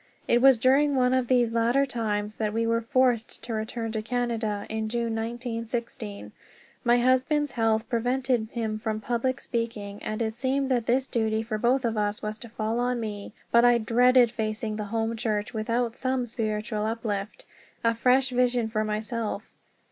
It was during one of these latter times that we were forced to return to Canada, in June of 1916. My husband's health prevented him from public speaking, and it seemed that this duty for us both was to fall on me. But I dreaded facing the Home Church without some spiritual uplift, a fresh vision for myself.